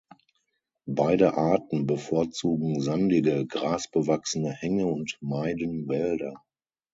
Beide Arten bevorzugen sandige, grasbewachsene Hänge und meiden Wälder.